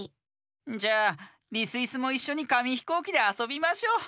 じゃあリスイスもいっしょにかみひこうきであそびましょう。